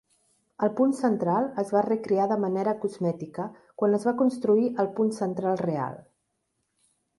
El punt central es va recrear de manera cosmètica quan es va construir el punt central real.